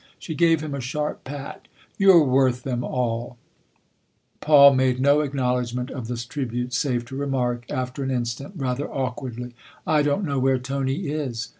She gave him a sharp pat. " You're worth them all !" Paul made no acknowledgment of this tribute save to remark after an instant rather awkwardly :" I don't know where Tony is."